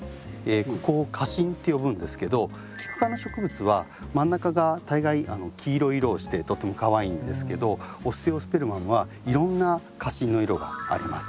ここを花芯って呼ぶんですけどキク科の植物は真ん中が大概黄色い色をしてとってもかわいいんですけどオステオスペルマムはいろんな花芯の色があります。